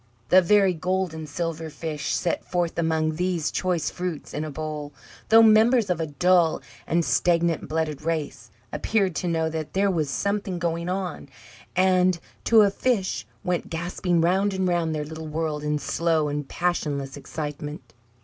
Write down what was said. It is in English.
The very gold and silver fish, set forth among these choice fruits in a bowl, though members of a dull and stagnant blooded race, appeared to know that there was something going on; and, to a fish, went gasping round and round their little world in slow and passionless excitement.